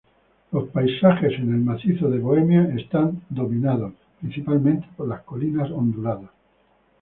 Los paisajes en el macizo de Bohemia están dominados principalmente por las colinas onduladas.